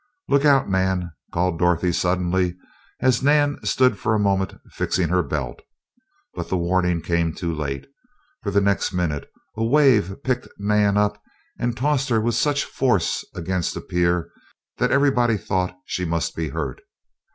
"Look out, Nan!" called Dorothy, suddenly, as Nan stood for a moment fixing her belt. But the warning came too late, for the next minute a wave picked Nan up and tossed her with such force against a pier, that everybody thought she must be hurt.